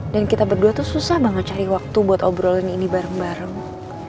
dan kita berdua tuh susah banget cari waktu buat obrolin ini bareng bareng